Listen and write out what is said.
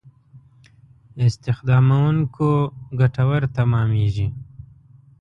استخداموونکو ګټور تمامېږي.